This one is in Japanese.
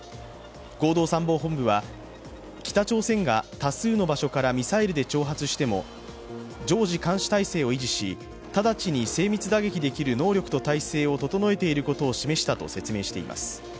合同参謀本部は、北朝鮮が多数の場所からミサイルで挑発しても常時監視態勢を維持し、直ちに精密打撃できる能力と態勢を整えていることを示したと説明しています。